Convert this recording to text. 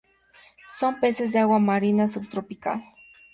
Son peces de agua marina subtropical.